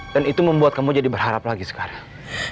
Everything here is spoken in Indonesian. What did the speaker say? dan itu membuat kamu jadi berharap lagi sekarang